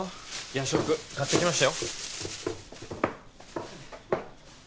夜食買ってきましたよ